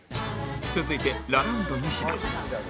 続いてラランドニシダ